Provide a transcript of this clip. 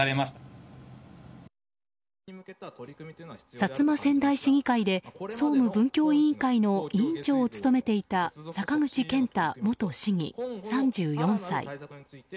薩摩川内市議会の委員会で委員長を務めていた坂口健太元市議、３４歳。